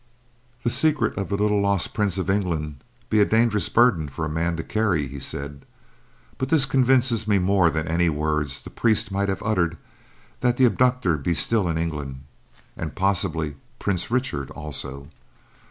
"The secret of the little lost prince of England be a dangerous burden for a man to carry," he said. "But this convinces me more than any words the priest might have uttered that the abductor be still in England, and possibly Prince Richard also."